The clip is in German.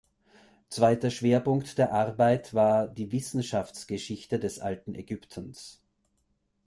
Zweiter Schwerpunkt der Arbeit war die Wissenschaftsgeschichte des alten Ägyptens.